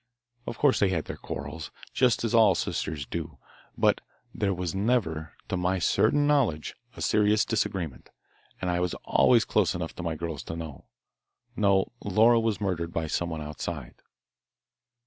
Of course they had their quarrels, just as all sisters do, but there was never, to my certain knowledge, a serious disagreement, and I was always close enough to my girls to know. No, Laura was murdered by someone outside."